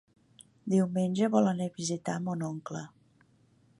Diumenge vol anar a visitar mon oncle.